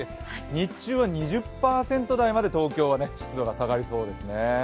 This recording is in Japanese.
日中は２０％台まで東京は湿度が下がりそうですね。